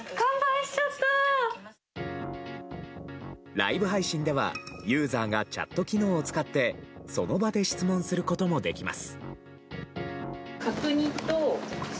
ライブ配信ではユーザーがチャット機能を使ってその場で質問することもできます。